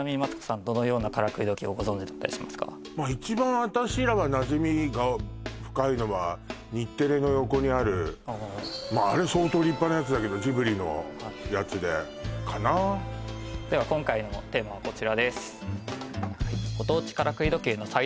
まあ一番私らはなじみが深いのはまああれ相当立派なやつだけどジブリのやつでかなでは今回のテーマはこちらです